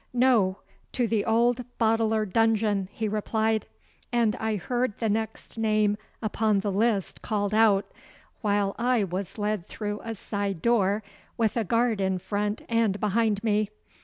'No, to the old Boteler dungeon,' he replied; and I heard the next name upon the list called out, while I was led through a side door with a guard in front and behind me.